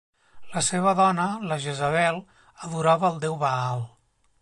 La seva dona, la Jezabel adorava el déu Baal.